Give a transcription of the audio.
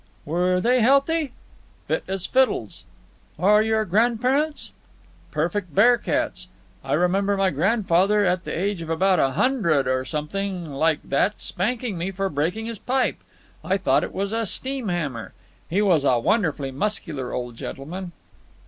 "Were they healthy?" "Fit as fiddles." "And your grandparents?" "Perfect bear cats. I remember my grandfather at the age of about a hundred or something like that spanking me for breaking his pipe. I thought it was a steam hammer. He was a wonderfully muscular old gentleman."